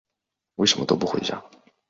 为什么都不回家？